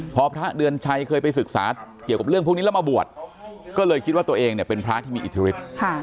พอพระเดือนชัยเคยไปศึกษาเกี่ยวกับเรื่องพวกนี้แล้วมาบวชก็เลยคิดว่าตัวเองเนี่ยเป็นพระที่มีอิทธิฤทธิ์